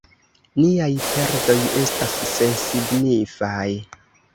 Niaj perdoj estas sensignifaj.